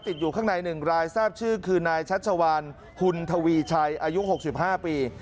ติดอยู่ข้างใน๑รายทราบชื่อคือนายชัชวานฮุนทวีชัยอายุ๖๕ปี